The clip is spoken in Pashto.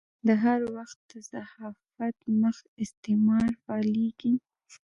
د هر وخت د صحافت مخ استعمار فعالېږي.